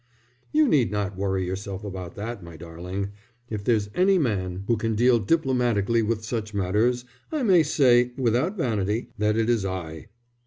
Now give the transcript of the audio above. "You need not worry yourself about that, my darling. If there's any man who can deal diplomatically with such matters I may say, without vanity, that it is I."